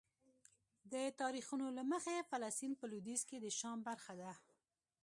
د تاریخونو له مخې فلسطین په لویدیځ کې د شام برخه ده.